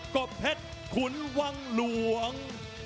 ก็เพชรขุนวังหลวง